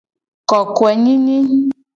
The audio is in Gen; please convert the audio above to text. Kokoenyinyi.